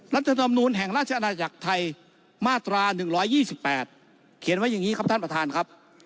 รัฐธรรมนูลแห่งราชอาณาจักรไทยมาตรา๑๒๘เขียนไว้อย่างนี้ครับท่านประธานครับ